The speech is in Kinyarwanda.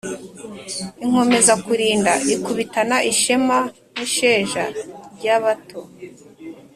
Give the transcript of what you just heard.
Inkomeza kulinda ikubitana ishema n’isheja ry’abato,